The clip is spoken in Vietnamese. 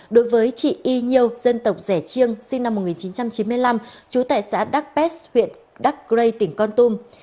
đối với chị y nhiêu dân tộc rẻ chiêng sinh năm một nghìn chín trăm chín mươi năm trú tại xã đắc pét huyện đắc gray tỉnh con tum